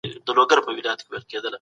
سیاست د واک د میني پر اساس وده وکړه.